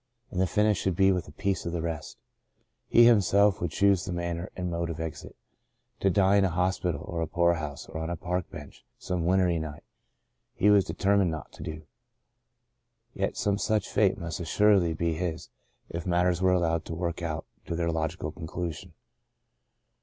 And the finish should be of a piece |(vith the rest. He, himself, would choose the tianner and mode of exit. To die in a hospital, a poorhouse, or on a park bench )me wintry night, he was determined not do. Yet some such fate must assuredly be h^s, if matters were allowed to work out to their logical conclusion.